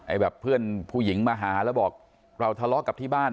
แบบเพื่อนผู้หญิงมาหาแล้วบอกเราทะเลาะกับที่บ้าน